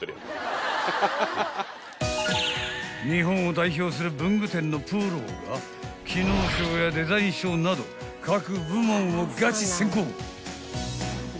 ［日本を代表する文具店のプロが機能賞やデザイン賞など各部門をガチ選考］